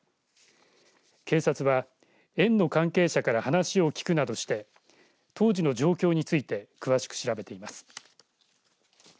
警察は園の関係者から話を聞くなどして当時の状況について詳しく調べています。